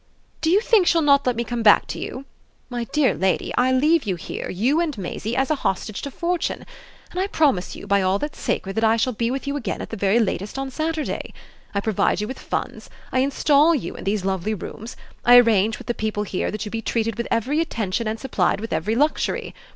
"Do you think she'll not let me come back to you? My dear lady, I leave you here, you and Maisie, as a hostage to fortune, and I promise you by all that's sacred that I shall be with you again at the very latest on Saturday. I provide you with funds; I install you in these lovely rooms; I arrange with the people here that you be treated with every attention and supplied with every luxury.